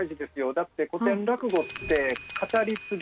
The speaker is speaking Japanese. だって古典落語って語り継ぎ。